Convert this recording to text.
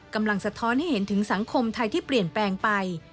สะท้อนให้เห็นถึงสังคมไทยที่เปลี่ยนแปลงไป